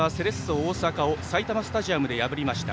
大阪を埼玉スタジアムで破りました。